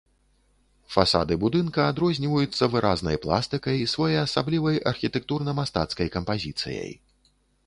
Фасады будынка адрозніваюцца выразнай пластыкай, своеасаблівай архітэктурна-мастацкай кампазіцыяй.